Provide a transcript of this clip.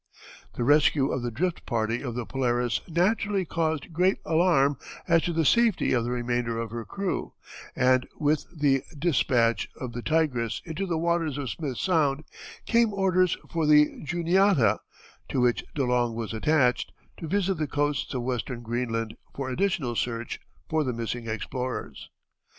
] The rescue of the drift party of the Polaris naturally caused great alarm as to the safety of the remainder of her crew, and with the despatch of the Tigress into the waters of Smith Sound, came orders for the Juniata, to which De Long was attached, to visit the coasts of western Greenland for additional search for the missing explorers.